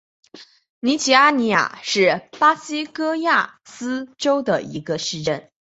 卢齐阿尼亚是巴西戈亚斯州的一个市镇。